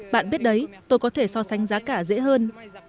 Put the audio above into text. bạn biết đấy tôi có thể so sánh giá cả dễ hơn